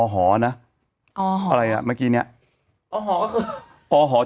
หอนะอ๋ออะไรอ่ะเมื่อกี้เนี้ยอ๋อหอก็คืออ๋อหอ